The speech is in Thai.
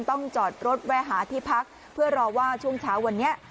ต้องจอดรถแวะหาที่พักเพื่อรอว่าช่วงเช้าวันนี้